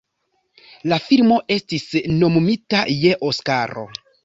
La filmo estis nomumita je Oskaro.